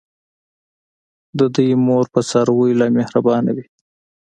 د دوی مور په څارویو لا مهربانه وي.